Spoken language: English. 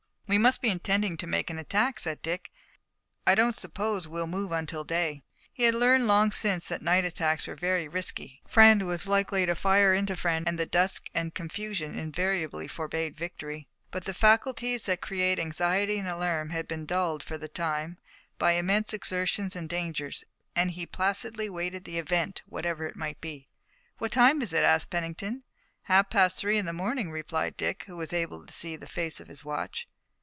"We must be intending to make an attack," said Dick, "but I don't suppose we'll move until day." He had learned long since that night attacks were very risky. Friend was likely to fire into friend and the dusk and confusion invariably forbade victory. But the faculties that create anxiety and alarm had been dulled for the time by immense exertions and dangers, and he placidly awaited the event, whatever it might be. "What time is it?" asked Pennington. "Half past three in the morning," replied Dick, who was able to see the face of his watch.